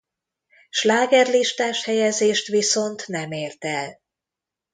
Slágerlistás helyezést viszont nem ért el.